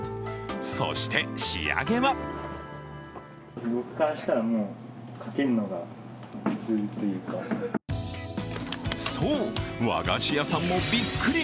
そして、仕上げはそう、和菓子屋さんもびっくり！